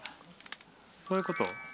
そういうこと？